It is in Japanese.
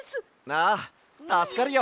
ああたすかるよ。